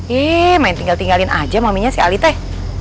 yee main tinggal tinggalin aja maminya si ali teh